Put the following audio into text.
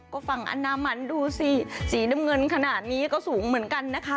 ก็ฝั่งอนามันดูสิสีน้ำเงินขนาดนี้ก็สูงเหมือนกันนะคะ